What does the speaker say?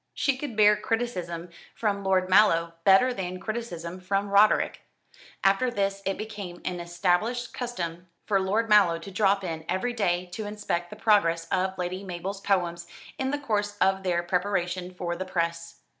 She could bear criticism from Lord Mallow better than criticism from Roderick. After this it became an established custom for Lord Mallow to drop in every day to inspect the progress of Lady Mabel's poems in the course of their preparation for the press.